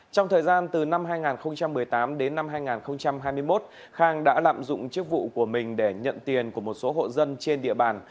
trong thời gian từ năm hai nghìn một mươi tám đến năm hai nghìn hai mươi một khang đã lạm dụng chức vụ của mình để nhận tiền của một số hộ dân trên địa bàn